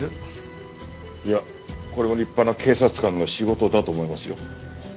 いやこれも立派な警察官の仕事だと思いますよ。